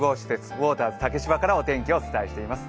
ウォーターズ竹芝からお天気をお伝えしています。